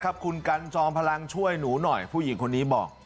ครับคุณกันจอมพลังช่วยหนูหน่อยผู้หญิงคนนี้บอก